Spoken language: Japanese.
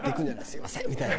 「すみません」みたいな。